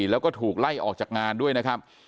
แล้วก็ถูกไล่ออกจากงานด้วยนะครับ